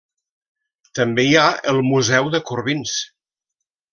També hi ha el Museu de Corbins.